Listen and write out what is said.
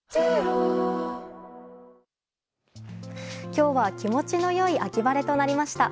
今日は気持ちの良い秋晴れとなりました。